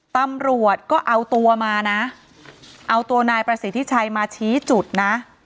ตำรวจก็เอาตัวมานะเอาตัวนายประสิทธิชัยมาชี้จุดนะ